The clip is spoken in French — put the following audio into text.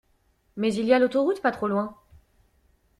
Mais il y a l’autoroute pas trop loin.